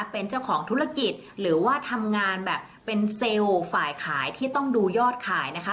เป็นเจ้าของธุรกิจหรือว่าทำงานแบบเป็นเซลล์ฝ่ายขายที่ต้องดูยอดขายนะคะ